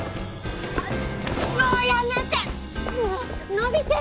もうやめて！